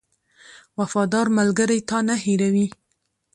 • وفادار ملګری تا نه هېروي.